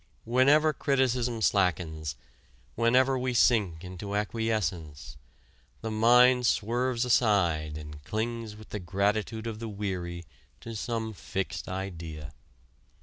Whenever criticism slackens, whenever we sink into acquiescence, the mind swerves aside and clings with the gratitude of the weary to some fixed idea.